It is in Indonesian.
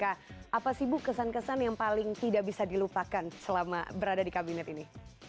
apa sih bu kesan kesan yang paling tidak bisa dilupakan selama berada di kabinet ini